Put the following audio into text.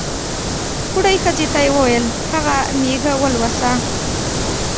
بوډۍ ښځې ته یې ووېل هغه مېږه ولوسه.